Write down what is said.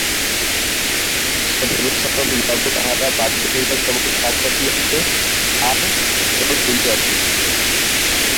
শত শত শতাব্দী যাবৎ তাহারা বাধ্য হইয়া কেবল কাঠ কাটিয়াছে, আর জল তুলিয়াছে।